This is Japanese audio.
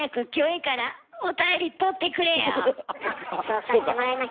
そうさせてもらいましょ。